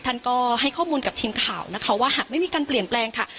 ท่านก็ให้ข้อมูลกับทีมข่าวนะคะว่าหากไม่มีการเปลี่ยนแปลงค่ะ